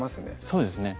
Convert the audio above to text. そうですね